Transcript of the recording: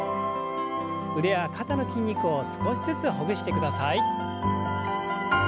腕や肩の筋肉を少しずつほぐしてください。